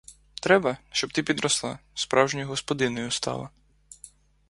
Треба, щоб ти підросла, справжньою господинею стала.